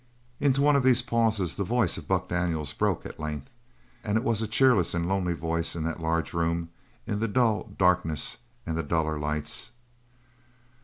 Into one of these pauses the voice of Buck Daniels broke at length; and it was a cheerless and lonely voice in that large room, in the dull darkness, and the duller lights.